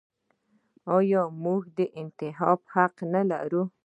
آیا موږ د انتخاب حق نلرو؟